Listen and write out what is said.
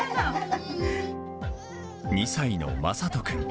２歳のまさとくん。